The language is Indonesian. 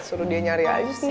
suruh dia nyari aja